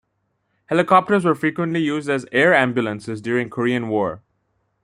Helicopters were frequently used as "air ambulances" during Korean War.